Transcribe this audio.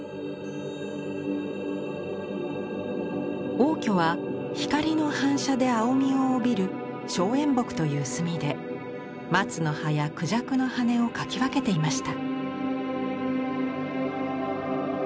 応挙は光の反射で青みを帯びる「松煙墨」という墨で松の葉や孔雀の羽を描き分けていました。